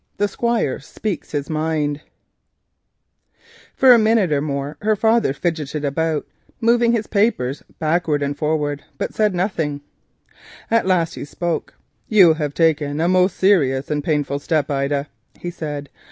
THE SQUIRE SPEAKS HIS MIND For a minute or more her father fidgeted about, moving his papers backwards and forwards but saying nothing. At last he spoke. "You have taken a most serious and painful step, Ida," he said.